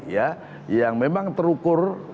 ya yang memang terukur